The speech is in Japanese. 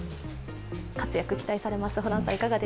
活躍期待されます。